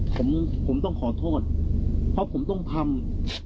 ผมผมต้องขอโทษเพราะผมต้องทำ